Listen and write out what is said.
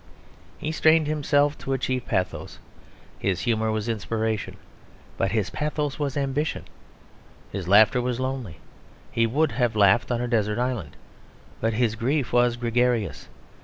He strained himself to achieve pathos. His humour was inspiration; but his pathos was ambition. His laughter was lonely; he would have laughed on a desert island. But his grief was gregarious.